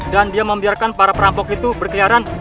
dan dia membiarkan para perampok itu berkeliaran